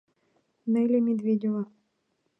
— Нелли Медведева.